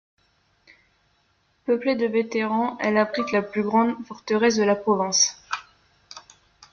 Peuplée de vétérans, elle abrite la plus grande forteresse de la province.